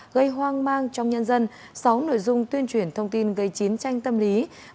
gây hoang mang trong nhân dân sáu nội dung tuyên truyền thông tin gây chiến tranh tâm lý